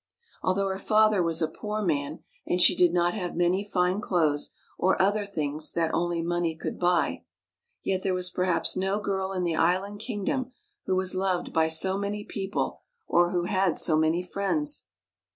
Although her father was a poor man, and she did not have many fine clothes or other things that only money could buy, yet there was perhaps no girl in the island kingdom who was loved by so many people, or who had so many friends.